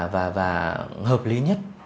và hợp lý nhất